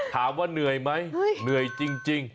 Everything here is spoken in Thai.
ถามว่าเหนื่อยไหมเหนื่อยจริง